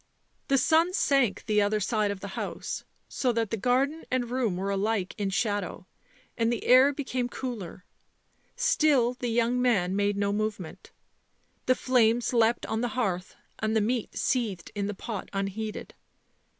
The sun sank the other side of the house, so that the garden and room were alike in shadow, and the air became cooler ; still the young man made no movement. The flames leapt on the hearth and the meat seethed in the pot unheeded.